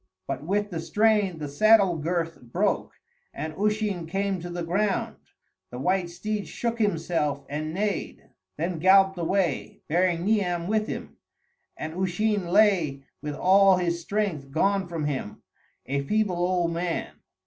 But with the strain the saddle girth broke, and Usheen came to the ground; the white steed shook himself and neighed, then galloped away, bearing Niam with him, and Usheen lay with all his strength gone from him a feeble old man.